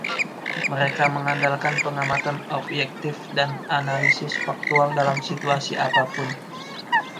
Mereka mengandalkan pengamatan obyektif dan analisis faktual dalam situasi apa pun.